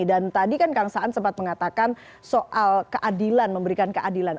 dan tadi kan kang saan sempat mengatakan soal keadilan memberikan keadilan